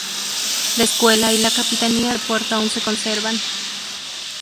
La escuela y la capitanía de puerto aún se conservan.